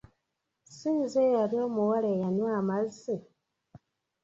Si nze eyali omuwala eyanywa amazzi!